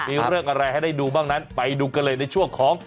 มีเรื่องอะไรให้ได้ดูบ้างนั้นไปดูกันเลยในช่วงของ